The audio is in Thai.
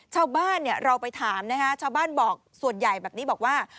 ชาวบ้านเราไปถามนะคะชาวบ้านบอกส่วนใหญ่แบบนี้บอกว่า